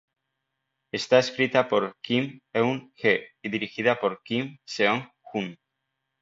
Está escrita por Kim Eun-hee y dirigida por Kim Seong-hun.